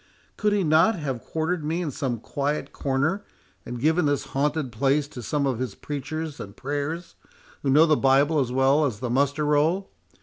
Could he not have quartered me in some quiet corner, and given this haunted place to some of his preachers and prayers, who know the Bible as well as the muster roll?